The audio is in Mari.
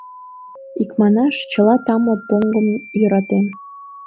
Икманаш, чыла тамле поҥгым йӧратем.